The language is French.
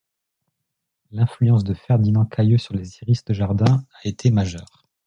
L'influence de Ferdinand Cayeux sur les iris de jardin a été majeure.